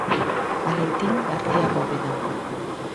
Valentín García Bóveda.